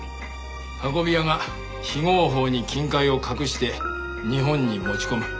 運び屋が非合法に金塊を隠して日本に持ち込む。